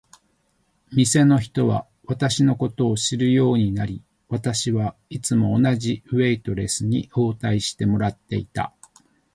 店の人は私のことを知るようになり、私はいつも同じウェイトレスに応対してもらっていた。